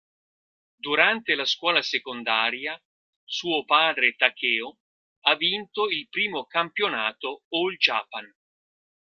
Durante la scuola secondaria, suo padre Takeo, ha vinto il primo Campionato All-Japan.